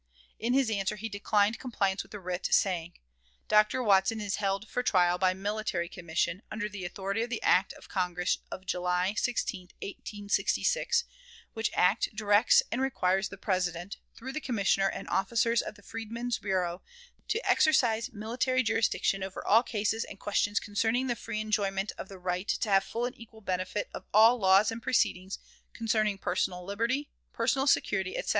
In his answer, he declined compliance with the writ, saying: "Dr. Watson is held for trial by military commission, under the authority of the act of Congress of July 16, 1866, which act directs and requires the President, through the commissioner and officers of the Freedmen's Bureau, to exercise military jurisdiction over all cases and questions concerning the free enjoyment of the right to have full and equal benefit of all laws and proceedings concerning personal liberty, personal security, etc.